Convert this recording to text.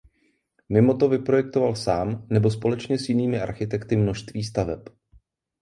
Mimo to vyprojektoval sám nebo společně s jinými architekty množství staveb.